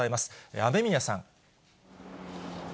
雨宮さん。